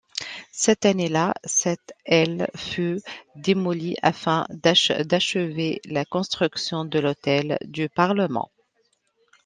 Cette année-là, cette aile fut démolie afin d'achever la construction de l'Hôtel du Parlement.